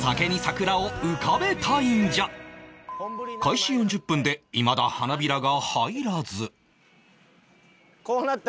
開始４０分でいまだ花びらが入らず